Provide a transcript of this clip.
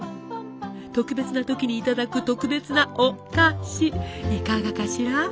特別な時にいただく特別なお菓子いかがかしら？